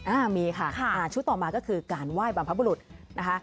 อ่ามีค่ะอ่าชุดต่อมาก็คือการไหว้บรรพบุรุษนะคะ